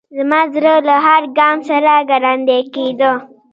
زما زړه له هر ګام سره ګړندی کېده.